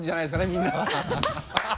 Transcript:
みんなは